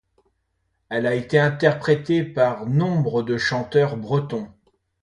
Elle a été interprétée par nombre de chanteurs bretons.